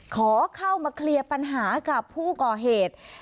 ขอเข้ามาเคลียร์ปัญหากับผู้ก่อเหตุ